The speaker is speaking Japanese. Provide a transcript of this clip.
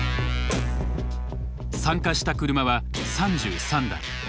参加した車は３３台。